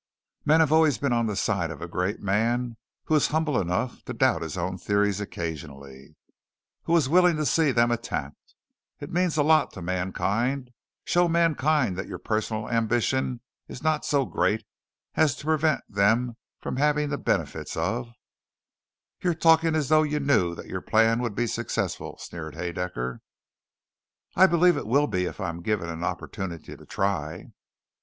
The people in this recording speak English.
Men have always been on the side of a great man who was humble enough to doubt his own theories occasionally, who was willing to see them attacked. It means a lot to mankind; show mankind that your personal ambition is not so great as to prevent them from having the benefits of " "You're talking as though you knew that your plan would be successful," sneered Haedaecker. "I believe it will be if I am given the opportunity to try."